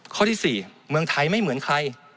ข้อที่๔เมืองไทยไม่เหมือนใคร